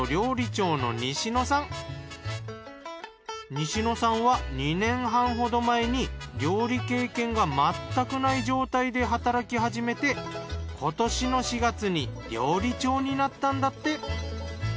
西野さんは２年半ほど前に料理経験がまったくない状態で働き始めて今年の４月に料理長になったんだって。